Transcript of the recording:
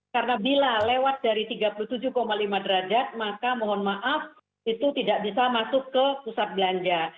karena bila lewat dari tiga puluh tujuh lima derajat maka mohon maaf itu tidak bisa masuk ke pusat belanja